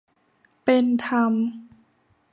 เป็นธรรม